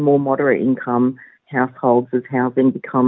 menggabungkan pendapatan pendapatan yang lebih sederhana